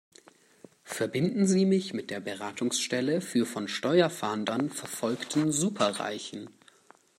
Verbinden Sie mich mit der Beratungsstelle für von Steuerfahndern verfolgten Superreichen!